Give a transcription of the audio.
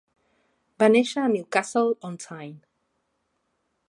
Va néixer a Newcastle-on-Tyne.